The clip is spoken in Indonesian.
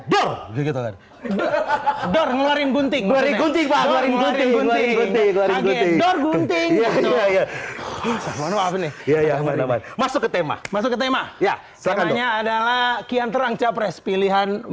dororin gunting gunting ya ya masuk ke tema tema ya semuanya adalah kian terang capres pilihan perubahan yang kita memiliki karena kita terima kasih pada pak verdi sambo